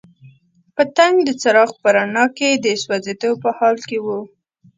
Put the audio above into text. پتنګ د څراغ په رڼا کې د سوځېدو په حال کې وو.